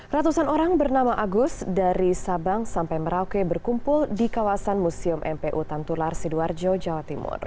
ratusan orang bernama agus dari sabang sampai merauke berkumpul di kawasan museum mpu tantular sidoarjo jawa timur